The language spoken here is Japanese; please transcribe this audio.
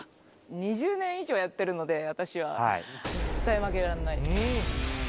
２０年以上やっているので、私は、絶対負けられないです。